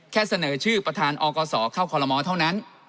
เสนอชื่อประธานอกศเข้าคอลโมเท่านั้น